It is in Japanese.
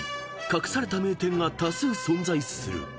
隠された名店が多数存在する］